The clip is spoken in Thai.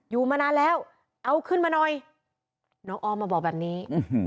อยู่มานานแล้วเอาขึ้นมาหน่อยน้องออมมาบอกแบบนี้